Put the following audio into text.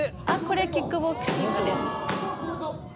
これキックボクシングです。